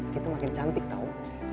kita makin cantik tau